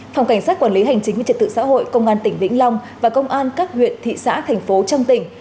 phòng cảnh sát quản lý hành chính về trật tự xã hội công an tỉnh vĩnh long và công an các huyện thị xã thành phố trong tỉnh